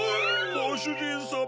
ごしゅじんさま！